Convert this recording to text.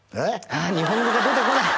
ああ日本語が出てこない！